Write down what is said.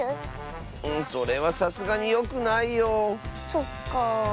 そっか。